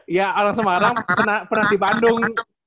ya orang semarang pernah di bandung